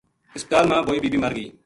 ہسپتال ما بوئی بی بی مر گئی